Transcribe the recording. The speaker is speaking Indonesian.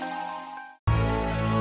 aku bisa butuh yang tak ada